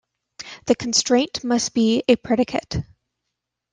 The constraint must be a predicate.